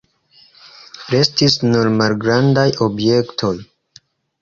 Restis nur malgrandaj objektoj.